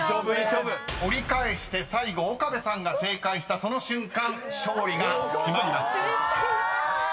［折り返して最後岡部さんが正解したその瞬間勝利が決まります］